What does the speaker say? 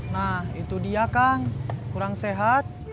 nah itu dia kang kurang sehat